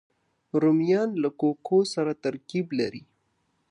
رومیان له کوکو سره ترکیب لري